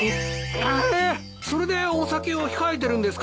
それでお酒を控えてるんですか？